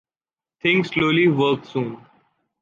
Think slowly, work soon.